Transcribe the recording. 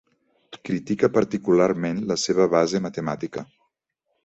Critica particularment la seva base matemàtica.